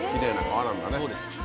そうです。